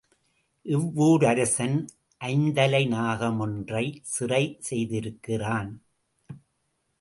இவ்வூரரசன் ஐந்தலை நாகமொன்றைச் சிறை செய்திருக்கிறான்.